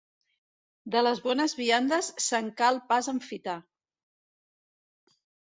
De les bones viandes se'n cal pas enfitar.